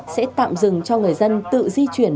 sẽ tạm dừng cho người dân tự di chuyển